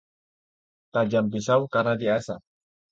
Tajam pisau karena diasah